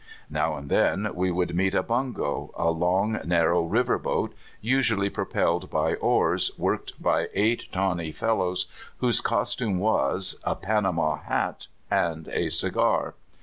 Now and then we would meet a bungo, a long, narrow river boat, usually propelled by oars worked by eight tawny fellows whose costume was — a pan ama hat and a cigar